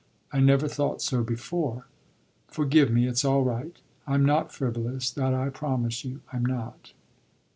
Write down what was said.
"I never thought so before." "Forgive me; it's all right. I'm not frivolous; that I promise you I'm not."